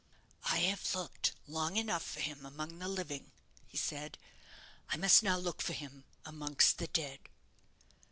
"I have looked long enough for him among the living," he said; "I must look for him now amongst the dead."